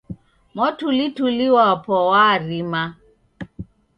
Mwatulituli wapu warima..